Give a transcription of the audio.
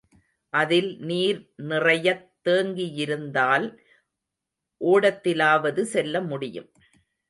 அதில் நீர் நிறையத் தேங்கியிருந்தால், ஓடத்திலாவது செல்ல முடியும்.